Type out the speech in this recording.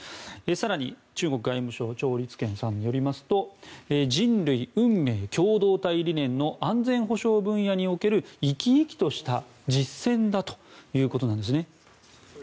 更に中国外務省チョウ・リツケンさんによりますと人類運命共同体理念の安全保障分野における生き生きとした実践だということなんですね。